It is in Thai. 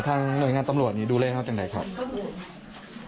ทั้งหน่วยงานตำรวจนี่ดูเล่จังใดเขาคุณ